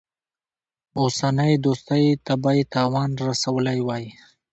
اوسنۍ دوستۍ ته به یې تاوان رسولی وای.